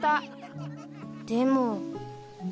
でも